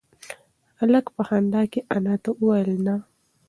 هلک په خندا کې انا ته وویل نه.